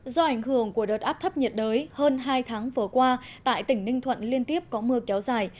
do ảnh hưởng của đợt áp thấp nhiệt đới hơn hai tháng vừa qua tại tỉnh ninh thuận liên tiếp có mưa kéo dài